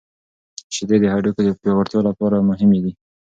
شیدې د هډوکو د پیاوړتیا لپاره مهمې دي.